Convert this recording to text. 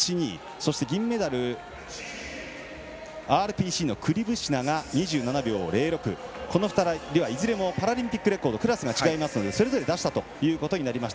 そして銀メダル、ＲＰＣのクリブシナが２７秒０６この２人はいずれもパラリンピックレコードクラスが違いますのでそれぞれ出したということになります。